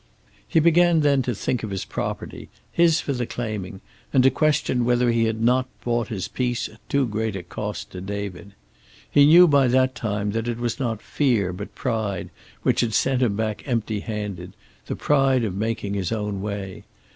He began then to think of his property, his for the claiming, and to question whether he had not bought his peace at too great a cost to David. He knew by that time that it was not fear, but pride, which had sent him back empty handed, the pride of making his own way.